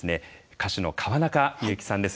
歌手の川中美幸さんです。